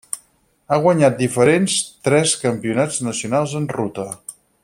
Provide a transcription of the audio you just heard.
Ha guanyat diferents tres Campionats nacionals en ruta.